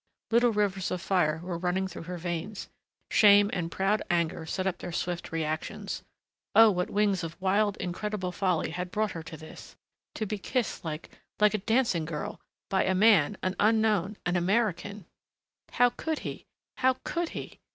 Little rivers of fire were running through her veins. Shame and proud anger set up their swift reactions. Oh, what wings of wild, incredible folly had brought her to this! To be kissed like like a dancing girl by a man, an unknown, an American! How could he, how could he!